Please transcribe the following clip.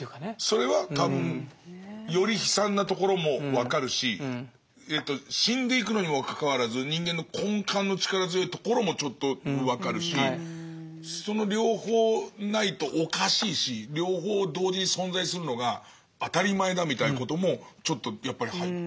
それは多分より悲惨なところも分かるし死んでいくのにもかかわらず人間の根幹の力強いところもちょっと分かるしその両方ないとおかしいし両方同時に存在するのが当たり前だみたいなこともちょっとやっぱり入ってるかな。